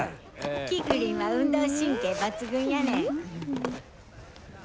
キクリンは運動神経抜群やねん！